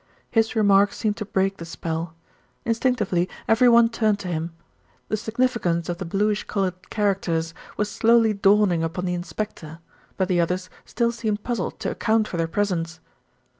His remark seemed to break the spell. Instinctively everyone turned to him. The significance of the bluish coloured characters was slowly dawning upon the inspector; but the others still seemed puzzled to account for their presence.